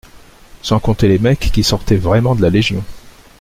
Sans compter les mecs qui sortaient vraiment de la légion.